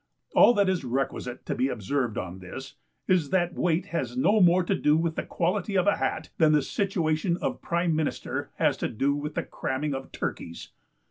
All that is requisite to be observed on this, is that weight has no more to do with the quality of a Hat, than the situation of prime minister has to do with the cramming of turkies.